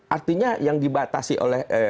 artinya yang dibatasi oleh